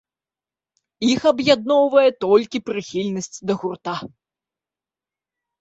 Іх аб'ядноўвае толькі прыхільнасць да гурта.